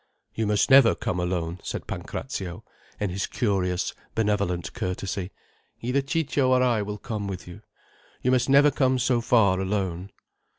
"You must never come alone," said Pancrazio, in his curious, benevolent courtesy. "Either Ciccio or I will come with you. You must never come so far alone."